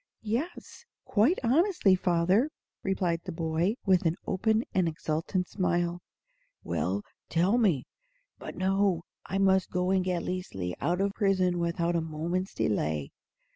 "Yes, quite honestly, father," replied the boy, with an open and exultant smile. "Well, tell me But no; I must go and get Liesli out of prison without a moment's delay.